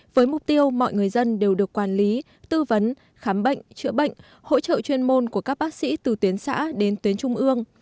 với mục tiêu mọi người dân đều được quản lý tư vấn khám bệnh chữa bệnh hỗ trợ chuyên môn của các bác sĩ từ tuyến xã đến tuyến trung ương